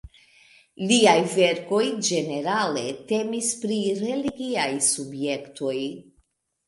Liaj verkoj ĝenerale temis pri religiaj subjektoj.